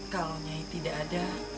kalau nyai tidak ada